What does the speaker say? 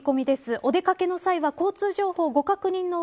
お出掛けの際は交通情報をご確認の上